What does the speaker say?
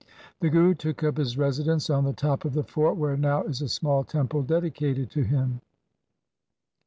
The Guru took up his residence on the top of the fort where now is a small temple dedi cated to him.